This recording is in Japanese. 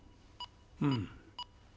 うん